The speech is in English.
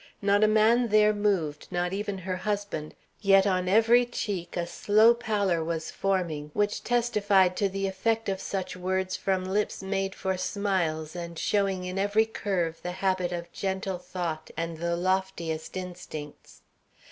Not a man there moved, not even her husband, yet on every cheek a slow pallor was forming, which testified to the effect of such words from lips made for smiles and showing in every curve the habit of gentle thought and the loftiest instincts.